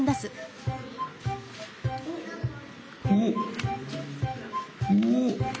おっおおっ！